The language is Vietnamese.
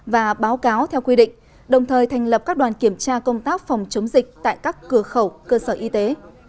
và báo cáo theo quy định đồng thời thành lập các đoàn kiểm tra công tác phòng chống dịch tại các cửa khẩu cơ sở y tế